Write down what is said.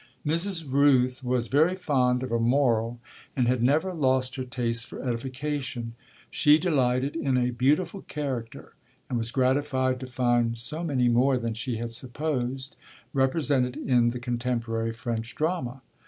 Mrs. Rooth was very fond of a moral and had never lost her taste for edification. She delighted in a beautiful character and was gratified to find so many more than she had supposed represented in the contemporary French drama.